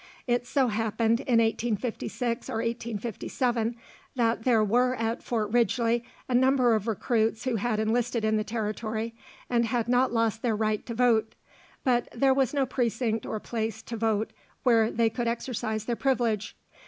It so happened, in 1856 or 1857, that there were at Fort Ridgely a number of recruits who had enlisted in the territory, and had not lost their right to vote; but there was no precinct or place to vote where they could exercise their privilege.